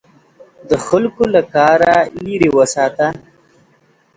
د خلکو له کاره لیرې وساته.